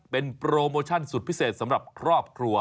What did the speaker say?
เป็นโปรโมชั่นสุดพิเศษสำหรับครอบครัว